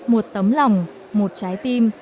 một tấm lòng một trái tim